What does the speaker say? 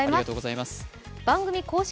番組公式